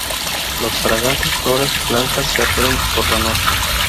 Las fragantes flores blancas se abren por la noche.